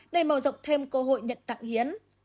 để màu rộng thêm cơ hội nhận tạng hiến